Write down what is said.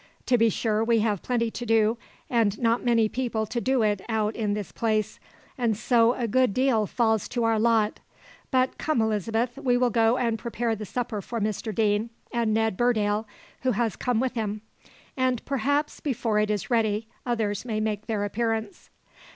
To be sure we have plenty to do, and not many people to do it out in this place, and so a good deal falls to our lot but come, Elizabeth, we will go and prepare the supper for Mr Deane and Ned Burdale, who has come with him; and, perhaps before it is ready, others may make their appearance."